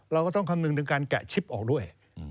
เราก็ต้องคำนึงถึงการแกะชิปออกด้วย